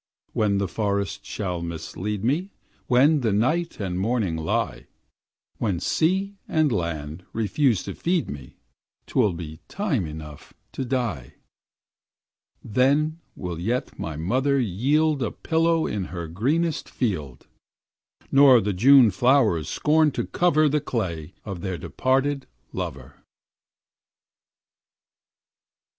When the forest shall mislead me, When the night and morning lie, When sea and land refuse to feed me, 'T will be time enough to die; Then will yet my mother yield A pillow in her greenest field, Nor the June flowers scorn to cover The clay of their departed lover.'